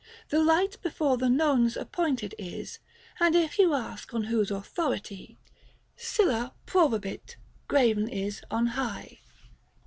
The light before the nones appointed is ; And if you ask on whose authority, Sylla pkobavit graven is on high.